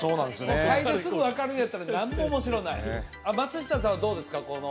嗅いですぐ分かるんやったら何も面白くない松下さんはどうですか？